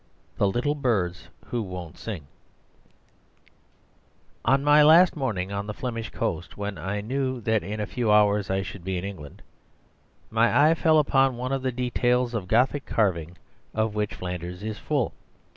The Little Birds Who Won't Sing On my last morning on the Flemish coast, when I knew that in a few hours I should be in England, my eye fell upon one of the details of Gothic carving of which Flanders is full.